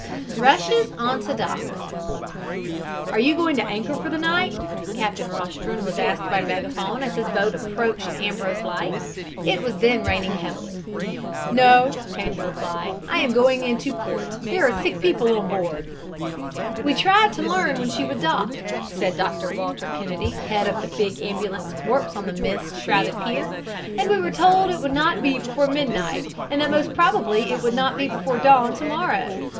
RUSHES ON TO DOCK "Are you going to anchor for the night?" Captain Rostron was asked by megaphone as his boat approached Ambrose Light. It was then raining heavily. "No," came the reply. "I am going into port. There are sick people on board." "We tried to learn when she would dock," said Dr. Walter Kennedy, head of the big ambulance corps on the mist shrouded pier, "and we were told it would not be before midnight and that most probably it would not be before dawn to morrow.